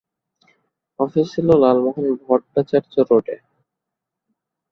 Office ছিল লালমোহন ভট্টাচার্য রোডে।